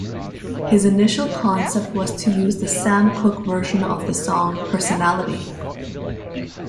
His initial concept was to use the Sam Cooke version of the song "Personality".